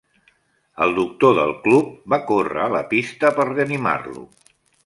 El doctor del club va córrer a la pista per reanimar-lo.